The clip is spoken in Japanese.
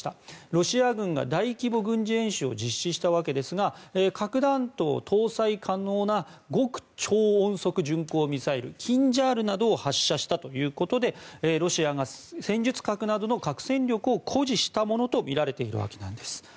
ロシア軍が大規模軍事演習を実施したわけですが核弾頭搭載可能な極超音速巡航ミサイルキンジャールなどを発射したということでロシアが戦術核などの核戦力を誇示したものとみられているわけです。